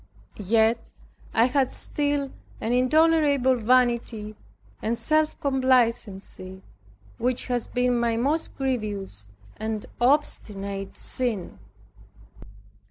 Yet I had still an intolerable vanity and self complacency, which has been my most grievous and obstinate sin.